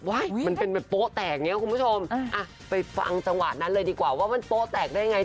มันเป็นแบบโป๊ะแตกอย่างนี้คุณผู้ชมอ่ะไปฟังจังหวะนั้นเลยดีกว่าว่ามันโป๊แตกได้ไง